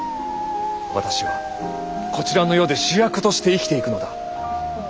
私はこちらの世で主役として生きていくのだ。